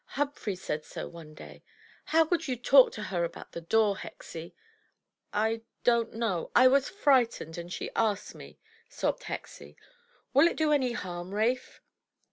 Humphrey said so one day. How could you talk to her about the door, Hexie?" I — don't know. I was frightened, and she asked me," sobbed Hexie. "Will it do any harm, Rafe?"